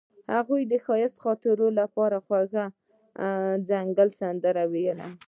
هغې د ښایسته خاطرو لپاره د خوږ ځنګل سندره ویله.